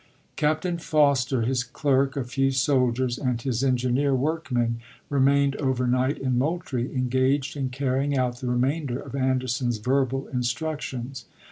Captain Foster, his clerk, a few soldiers, and his engineer Foster workmen remained overnight in Moultrie, engaged SmStee in carrying out the remainder of Anderson's verbal of §»wu! instructions.